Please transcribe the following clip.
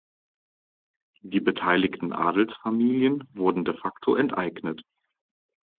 Die beteiligten Adelsfamilien wurden de facto enteignet.